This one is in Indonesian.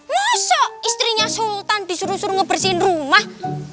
masa istrinya sultan disuruh suruh ngebersihin rumah